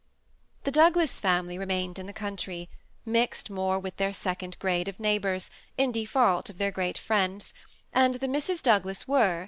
The Douglas family remained in the country, mixed more with their second grade of neighbors, in default of their great friends ; and the Misses Douglas were.